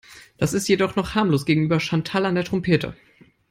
Das ist jedoch noch harmlos gegenüber Chantal an der Trompete.